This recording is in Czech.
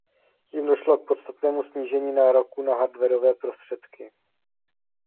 Tím došlo k podstatnému snížení nároků na hardwarové prostředky.